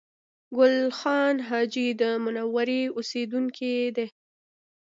ګل خان حاجي د منورې اوسېدونکی دی